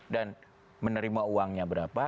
dan menerima uangnya berapa